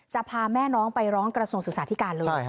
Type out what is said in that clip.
จะพาแม่น้องไปร้องกระสุนศึกษาที่กันเลย